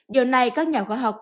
điều này các nhà khoa học